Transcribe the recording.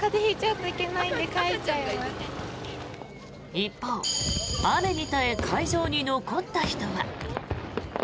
一方、雨に耐え会場に残った人は。